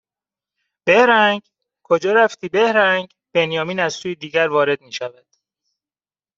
بِهرنگ؟ کجا رفتی؟ بِهرنگ؟ بنیامین از سوی دیگر وارد میشود